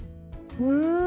うん！